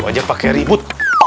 wajah pakai ribut